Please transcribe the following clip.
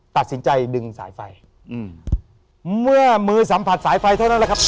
ตัดสินใจดึงสายไฟอืมเมื่อมือสัมผัสสายไฟเท่านั้นแหละครับ